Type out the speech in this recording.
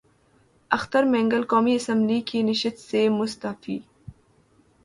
اختر مینگل قومی اسمبلی کی نشست سے مستعفی